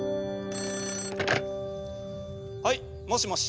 はいもしもし。